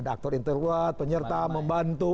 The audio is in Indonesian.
ada aktor interwat penyertaan membantu